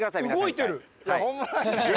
動いてる！